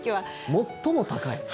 最も高い？